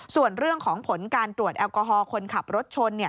ส่วนเรื่องของผลการตรวจแอลกอฮอล์คนขับรถชน